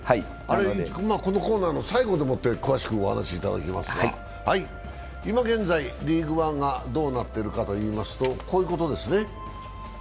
このコーナーの最後でもって詳しくお話しいただきますが今現在ＬＥＡＧＵＥＯＮＥがどうなっているかといいますと、こういうことですね。